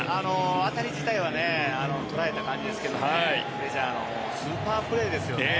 当たり自体は捉えた感じでしたがメジャーのスーパープレーですよね。